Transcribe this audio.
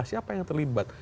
siapa yang terlibat